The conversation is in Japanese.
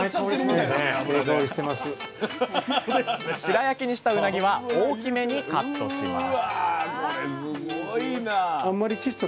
白焼きにしたうなぎは大きめにカットします